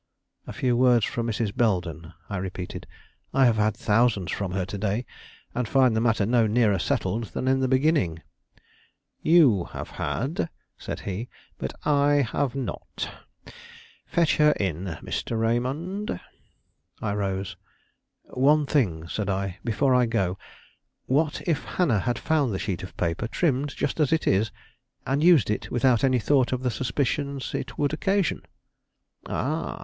"A few words from Mrs. Belden," I repeated. "I have had thousands from her to day, and find the matter no nearer settled than in the beginning." "You have had," said he, "but I have not. Fetch her in, Mr. Raymond." I rose. "One thing," said I, "before I go. What if Hannah had found the sheet of paper, trimmed just as it is, and used it without any thought of the suspicions it would occasion!" "Ah!"